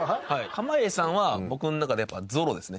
濱家さんは僕ん中ではゾロですね。